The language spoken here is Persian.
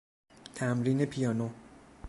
تمرین پیانو